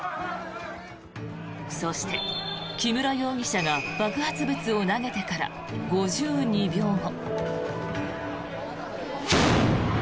そして、木村容疑者が爆発物を投げてから５２秒後。